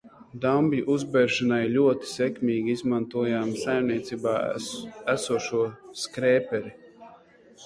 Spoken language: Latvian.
Dambju uzbēršanai ļoti sekmīgi izmantojām saimniecībā esošo skrēperi.